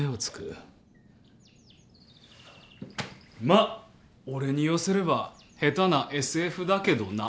まあ俺に言わせれば下手なＳＦだけどな。